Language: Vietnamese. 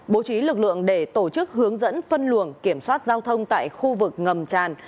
bố trí lực lượng để tổ chức hướng dẫn phân luồng kiểm soát giao thông tại khu vực ngầm tràn